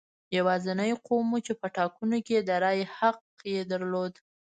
یوازینی قوم و چې په ټاکنو کې د رایې حق یې درلود.